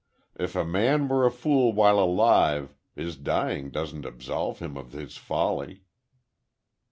If a man were a fool while alive, his dying doesn't absolve him of his folly.